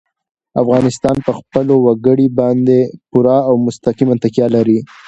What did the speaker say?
افغانستان په خپلو وګړي باندې پوره او مستقیمه تکیه لري.